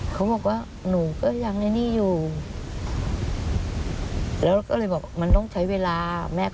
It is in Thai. เธอว่าที่ให้บอกโดยความสุข